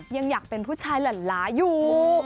ยังอยากเป็นผู้ชายหลั่นล้าอยู่